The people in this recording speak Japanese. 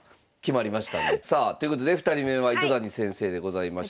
さあということで２人目は糸谷先生でございました。